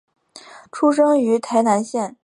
出生于台南县东石区鹿草乡。